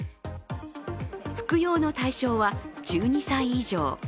服用の対象は、１２歳以上。